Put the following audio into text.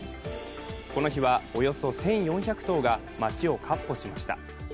この日は、およそ１４００頭が街をかっ歩しました。